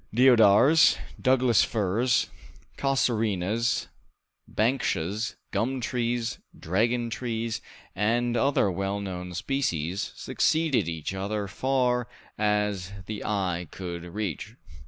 Deodars, Douglas firs, casuarinas, banksias, gum trees, dragon trees, and other well known species, succeeded each other far as the eye could reach.